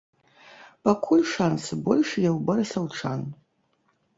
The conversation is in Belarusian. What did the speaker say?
Пакуль шансы большыя ў барысаўчан.